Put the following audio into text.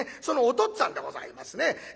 そのおとっつぁんでございますね。